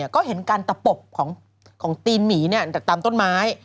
ก็เห็นการตะปบของตีนหมีจากตามต้นไม้